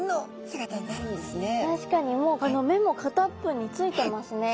確かにもう目も片っぽについてますね。